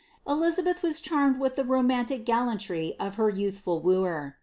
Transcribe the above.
* Elizabeth was charmed with the romantic gallanty of her yoothful wooer.